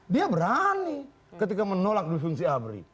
dia berani ketika menolak disungsi abri